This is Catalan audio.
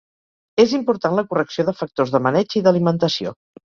És important la correcció de factors de maneig i d'alimentació.